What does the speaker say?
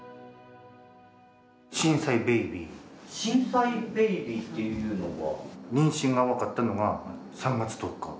震災ベイビーっていうのは？